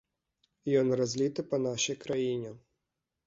Ён разліты па нашай краіне.